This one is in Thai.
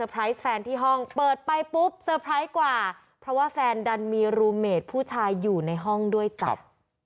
แฟนที่ห้องเปิดไปปุ๊บกว่าเพราะว่าแฟนดันมีผู้ชายอยู่ในห้องด้วยจับ